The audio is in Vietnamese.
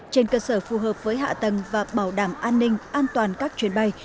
trên cơ sở phù hợp với hạ tầng và bảo đảm an ninh an toàn các chuyến bay